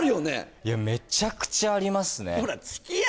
いやめちゃくちゃありますね